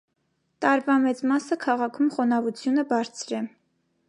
Տարվա մեծ մասը քաղաքում խոնավությունը բարձր է։